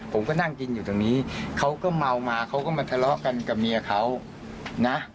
ผมก็นั่งกินอยู่ตรงนี้เขาก็เมามาเขาก็มาทะเลาะกันกับเมียเขานะ